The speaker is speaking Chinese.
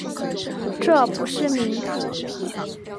这不是民主